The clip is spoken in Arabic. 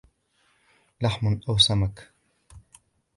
لحم أو سمك؟